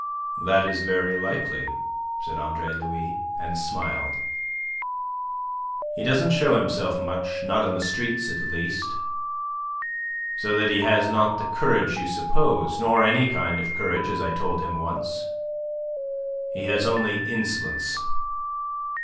"That is very likely," said Andre Louis, and smiled. "He doesn't show himself much; not in the streets, at least. So that he has not the courage you suppose; nor any kind of courage, as I told him once. He has only insolence."